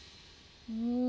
うん。